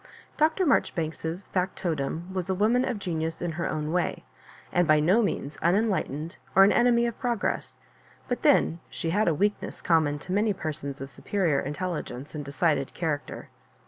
Dr. Marjoribanks's fac totum was a woman of genius in her way, and by no means unenlightened or an enemy of progress; but then she had a weakness oomnaon to many persons of superior intelligence and de cided character.